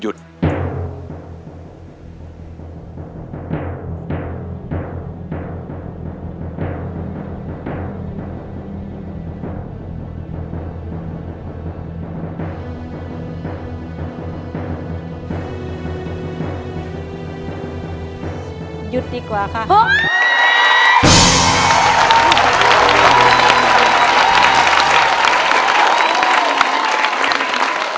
หยุดดีกว่าค่ะ